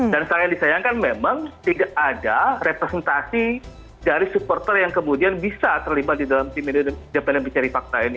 dan salah yang disayangkan memang tidak ada representasi dari supporter yang kemudian bisa terlibat di dalam tim independen mencari fakta ini